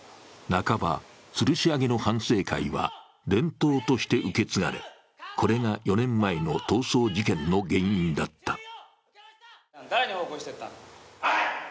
半ばつるし上げの反省会は伝統として受け継がれこれが４年前の逃走事件の原因だった。